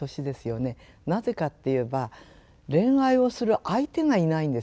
なぜかって言えば恋愛をする相手がいないんですよね。